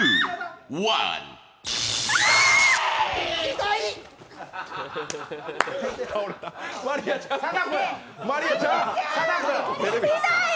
痛い！